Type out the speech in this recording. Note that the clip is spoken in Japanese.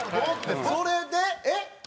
それでえっ？